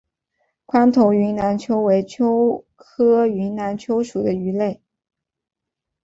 宽头云南鳅为鳅科云南鳅属的鱼类。